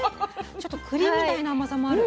ちょっと栗みたいな甘さもある。